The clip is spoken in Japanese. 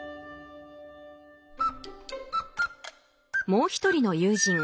もう一人の友人Ｃ君。